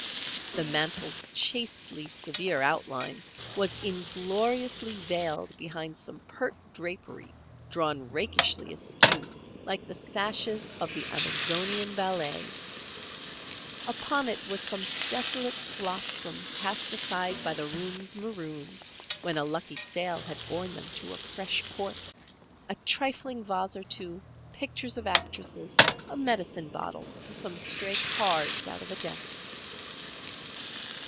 The mantel's chastely severe outline was ingloriously veiled behind some pert drapery drawn rakishly askew like the sashes of the Amazonian ballet. Upon it was some desolate flotsam cast aside by the room's marooned when a lucky sail had borne them to a fresh port—a trifling vase or two, pictures of actresses, a medicine bottle, some stray cards out of a deck.